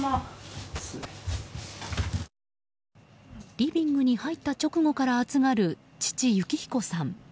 リビングに入った直後から暑がる父・幸彦さん。